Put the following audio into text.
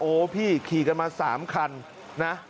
พี่ขี่กันมา๓คันนะ